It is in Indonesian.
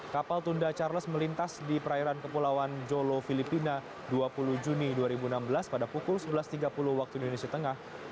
kapal tunda charles melintas di perairan kepulauan jolo filipina dua puluh juni dua ribu enam belas pada pukul sebelas tiga puluh waktu indonesia tengah